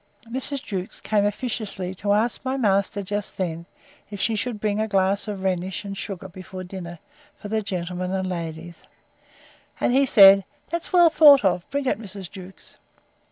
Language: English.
Mrs. Jewkes came officiously to ask my master, just then, if she should bring a glass of rhenish and sugar before dinner, for the gentlemen and ladies: And he said, That's well thought of; bring it, Mrs. Jewkes.